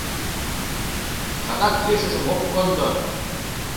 Садак ешыжым ок кондо!